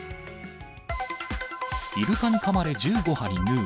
イルカにかまれ１５針縫う。